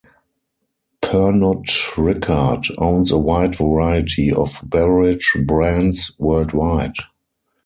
Pernod Ricard owns a wide variety of beverage brands worldwide.